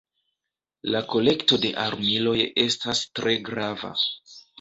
La kolekto de armiloj estas tre grava.